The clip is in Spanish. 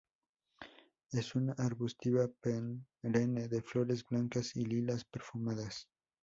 Es una arbustiva perenne de flores blancas y lilas, perfumadas.